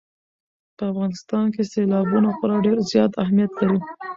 په افغانستان کې سیلابونه خورا ډېر زیات اهمیت لري.